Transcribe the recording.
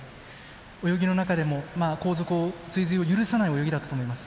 泳ぎの中でも後続の追随を許さない泳ぎだったと思います。